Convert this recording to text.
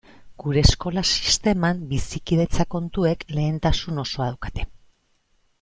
Gure eskola sisteman bizikidetza kontuek lehentasun osoa daukate.